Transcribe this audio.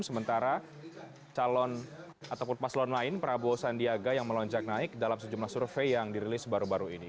sementara calon ataupun paslon lain prabowo sandiaga yang melonjak naik dalam sejumlah survei yang dirilis baru baru ini